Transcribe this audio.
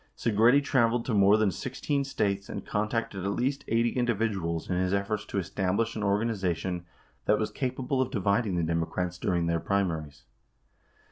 Segretti traveled to more than 16 States and contacted at least 80 in dividuals in his efforts to establish an organization that was capable of dividing the Democrats during their primaries.